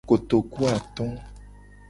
Kotokuato.